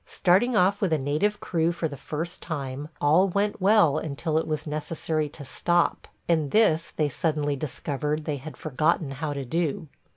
Starting off with a native crew for the first time, all went well until it was necessary to stop, and this they suddenly discovered they had forgotten how to do.